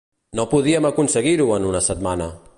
No podíem aconseguir-ho en una setmana!